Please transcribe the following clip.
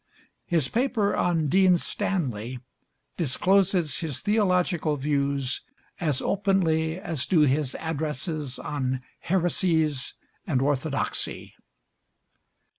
His paper on Dean Stanley discloses his theological views as openly as do his addresses on 'Heresies and Orthodoxy.'